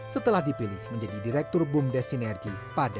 setelah dipilih menjadi direktur bum desinergi pada dua ribu enam belas